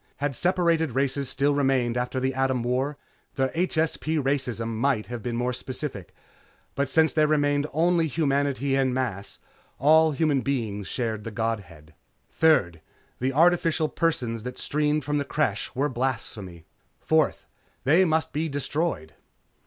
Had separate races still remained after the Atom War, the HSP racism might have been more specific, but since there remained only humanity en masse, all human beings shared the godhead. Third, the artificial persons that streamed from the Creche were blasphemy. Fourth, they must be destroyed.